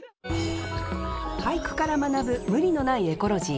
俳句から学ぶ無理のないエコロジー。